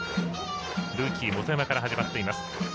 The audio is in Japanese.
ルーキー元山から始まっています。